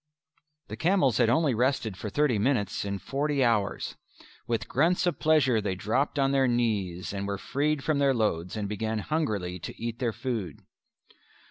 The camels had only rested for thirty minutes in forty hours. With grunts of pleasure they dropped on their knees and were freed from their loads, and began hungrily to eat their food.